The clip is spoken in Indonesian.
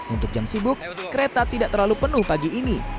untuk jam sibuk kereta tidak terlalu penuh pagi ini